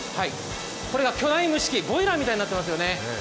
これが巨大蒸し機、ボイラーみたいになってますね。